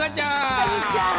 こんにちは！